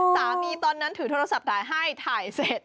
ตอนนั้นถือโทรศัพท์ถ่ายให้ถ่ายเสร็จ